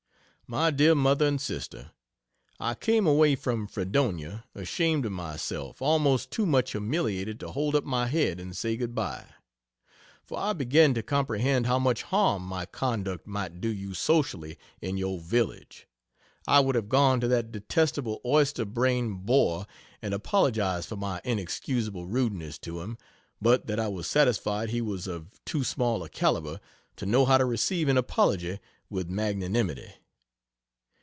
MY DEAR MOTHER AND SISTER, I came away from Fredonia ashamed of myself; almost too much humiliated to hold up my head and say good bye. For I began to comprehend how much harm my conduct might do you socially in your village. I would have gone to that detestable oyster brained bore and apologized for my inexcusable rudeness to him, but that I was satisfied he was of too small a calibre to know how to receive an apology with magnanimity.